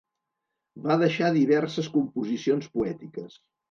Va deixar diverses composicions poètiques.